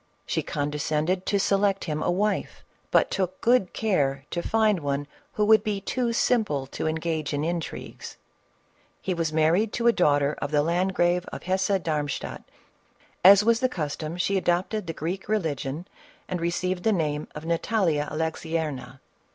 She condescended to select him a wife, but took good care to find one who would be too simple to engage in intrigues. He was married to a daughter of the landgrave of Hesse Darmstadt ; as was the custom, she adopted the Greek religion, and received the name of Natalia Alexierna, 428 CATHERINE OF KUSSIA.